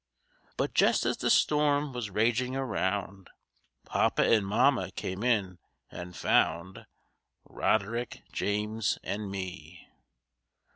But just as the storm was raging around, Papa and Mamma came in, and found Roderick, James and me.